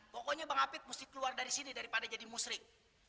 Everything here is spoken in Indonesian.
pokoknya bang habit mesti keluar dari sini daripada jadi musrik